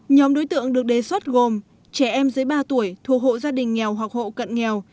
nhóm đối tượng được đề xuất gồm trẻ em dưới ba tuổi thuộc hộ gia đình nghèo hoặc hộ cận nghèo